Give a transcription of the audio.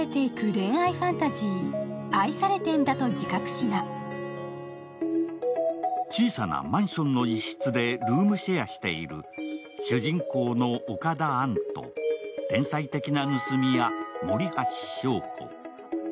うるおいタイプも小さなマンションの一室でルームシェアしている、主人公の岡田杏と、天才的な盗み屋・守橋祥子。